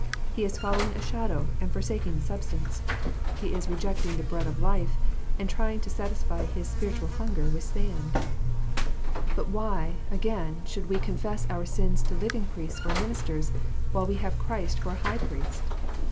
He is following a shadow, and forsaking the substance. He is rejecting the bread of life, and trying to satisfy his spiritual hunger with sand. CONFESSION. 260 But why, again, should we confess our sins to living priests or ministers, while we have Christ for a High Priest?